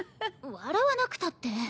笑わなくたって。